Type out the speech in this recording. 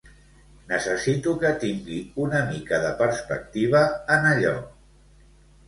Necessito que tingui una mica de perspectiva en allò.